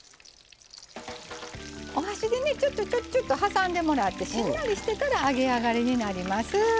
お箸で挟んでもらってしんなりしてから揚げ上がりになります。